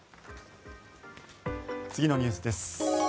次のニュースです。